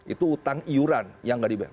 itu utang iuran yang nggak dibayar